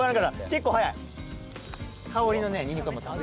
結構早い。